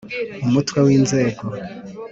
UMUTWE WA INZEGO